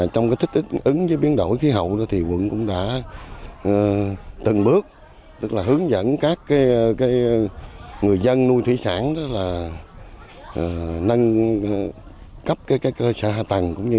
trong thích ứng với biến đổi khí hậu quận cũng đã từng bước hướng dẫn các người dân nuôi thủy sản nâng cấp cơ sở hạ tầng